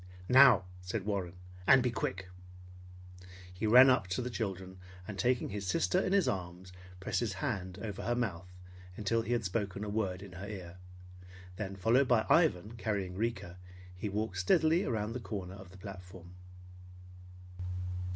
"Now!" said Warren, "and be quick!" He ran up to the children, and taking his sister in his arms, pressed his hand over her mouth until he had spoken a word in her ear. Then followed by Ivan carrying Rika, he walked steadily round the corner of the platform.